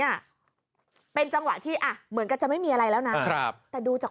อ่ะเป็นจังหวะที่อ่ะเหมือนกันจะไม่มีอะไรแล้วนะครับแต่ดูจาก